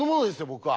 僕は。